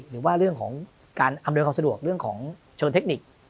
หรือว่าเรื่องของทำเรื่องของเชิญเทคนิค